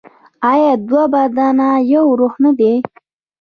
آیا دوه بدن یو روح نه دي؟